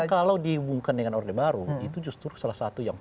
kalau dihubungkan dengan orde baru itu justru salah satu yang